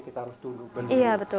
kita harus tunduk benar